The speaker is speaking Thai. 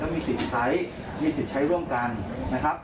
จะไม่เคลียร์กันได้ง่ายนะครับ